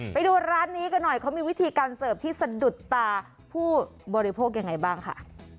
ไปดูร้านนี้กันหน่อยเขามีวิธีการเสิร์ฟที่สะดุดตาผู้บริโภคยังไงบ้างค่ะ